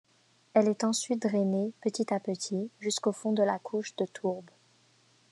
Elle est ensuite drainée petit à petit jusqu'au fond de la couche de tourbe.